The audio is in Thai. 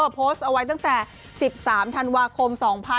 โพสต์เอาไว้ตั้งแต่๑๓ธันวาคม๒๕๖๒